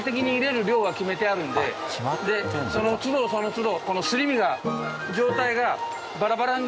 その都度その都度。